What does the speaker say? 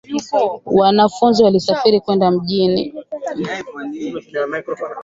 Wanafunzi walisafiri kwenda mjini.